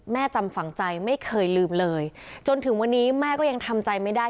จำฝังใจไม่เคยลืมเลยจนถึงวันนี้แม่ก็ยังทำใจไม่ได้